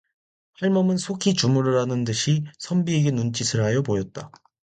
할멈은 속히 주무르라는 듯이 선비에게 눈짓을 하여 보였다.